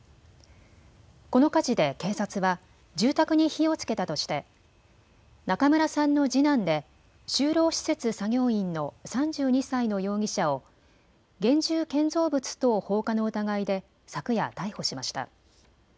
この火事で警察は住宅に火をつけたとして中村さんの次男で就労施設作業員の３２歳の容疑者を現住建造物等放火の疑いで昨夜、逮捕しました。